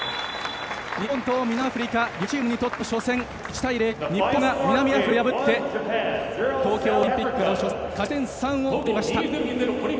日本と南アフリカ両チームにとっての初戦１対０、日本が南アフリカを破って東京オリンピックの初戦勝ち点３を取りました。